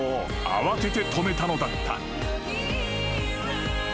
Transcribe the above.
［慌てて止めたのだった］